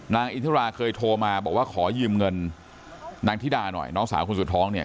นางอินทิราเคยโทรมาบอกว่าขอยืมเงินนางธิดาหน่อยน้องสาวคุณสุดท้องเนี่ย